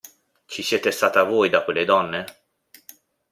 Ci siete stata voi da quelle donne?